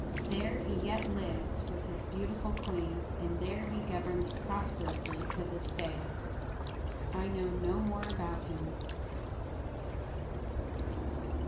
There he yet lives with his beautiful queen, and there he governs prosperously to this day. I know no more about him.